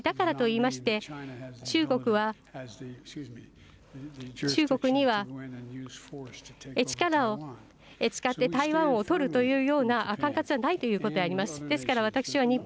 しかし、だからといいまして、中国は、中国には力を使って台湾を取るというような感覚はないということであります。